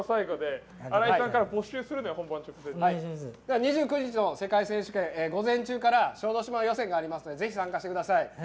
２９日の世界選手権午前中から小豆島予選があるのでぜひ参加してください。